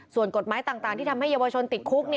ส่วนกฎหมายต่างที่ทำให้เยาวชนติดคุก